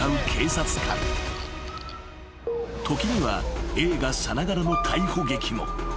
［時には映画さながらの逮捕劇も］